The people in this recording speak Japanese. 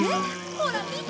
ほら見て！